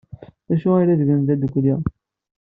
D acu ay la ttgen da ddukkli?